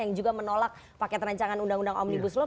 yang juga menolak paket rancangan undang undang omnibus law